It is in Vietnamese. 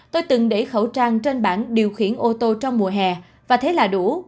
tôi từng để khẩu trang trên bản điều khiển ô tô trong mùa hè và thế là đủ